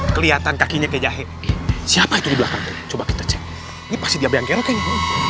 kelihatan kakinya kejahit siapa itu coba kita cek ini pasti dia kayaknya